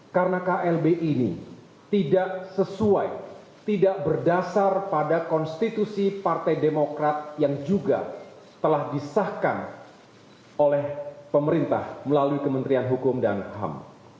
karena klb ini tidak sesuai tidak berdasar pada konstitusi partai demokrat yang juga telah disahkan oleh pemerintah melalui kementerian hukum dan ham